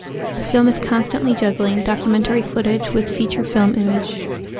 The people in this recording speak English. The film is constantly juggling documentary footage with feature film image.